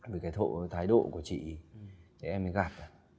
vì cái thổ thái độ của chị em mới gạt